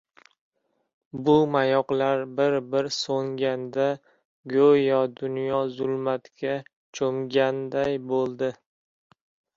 Bu mayoqlar bir-bir so‘nganda go‘yo dunyo zulmatga cho‘mganday bo‘ldi.